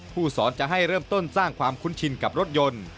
ผู้สอนจะให้เริ่มต้นสร้างความคุ้นชินกับรถยนต์